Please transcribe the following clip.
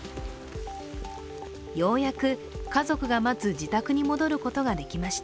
ようやく家族が待つ自宅に戻ることができました。